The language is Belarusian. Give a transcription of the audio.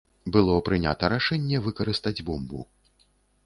Было прынята рашэнне выкарыстаць бомбу.